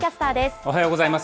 おはようございます。